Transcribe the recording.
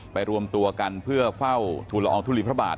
รวมตัวกันเพื่อเฝ้าทุลอองทุลีพระบาท